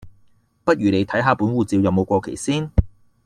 不如你睇下本護照有冇過期先